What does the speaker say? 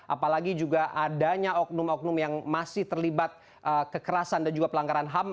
apalagi juga adanya oknum oknum yang masih terlibat kekerasan dan juga pelanggaran ham